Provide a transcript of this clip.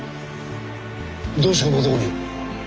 どうしてこんなとこに。